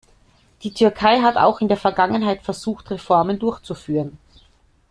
Die Türkei hat auch in der Vergangenheit versucht, Reformen durchzuführen.